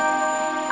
aku mau ke rumah